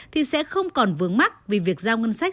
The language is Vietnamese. thì sẽ không còn vướng mắt vì việc giao ngân sách